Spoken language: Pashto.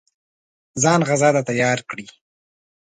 ځان غزا ته تیار کړي.